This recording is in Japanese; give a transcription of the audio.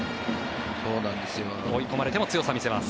追い込まれても強さを見せます。